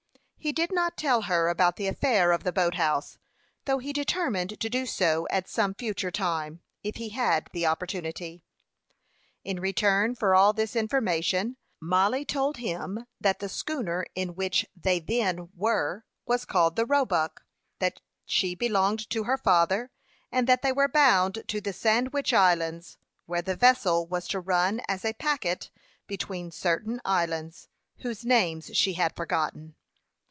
He did not tell her about the affair of the boat house, though he determined to do so at some future time, if he had the opportunity. In return for all this information, Mollie told him that the schooner in which they then were was called the Roebuck; that she belonged to her father, and that they were bound to the Sandwich Islands, where the vessel was to run as a packet between certain islands, whose names she had forgotten.